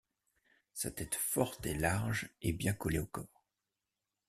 Sa tête forte et large est bien collée au corps.